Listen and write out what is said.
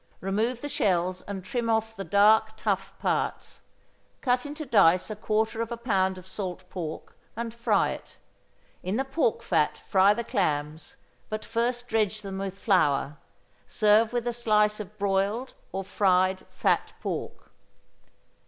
Remove the shells, and trim off the dark tough parts. Cut into dice a quarter of a pound of salt pork, and fry it. In the pork fat fry the clams, but first dredge them with flour. Serve with a slice of broiled or fried fat pork.